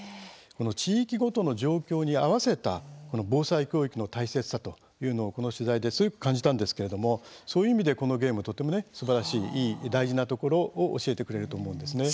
地域ごとの状況に合わせたこの防災教育の大切さというのをこの取材で強く感じたんですけれどもそういう意味で、このゲームとってもすばらしい大事なところを教えてくれると思うんですね。